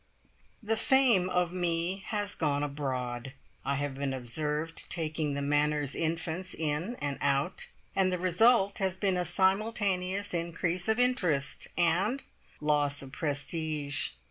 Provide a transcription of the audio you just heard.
The fame of me has gone abroad. I have been observed taking the Manners' infants in and out, and the result has been a simultaneous increase of interest, and loss of prestige.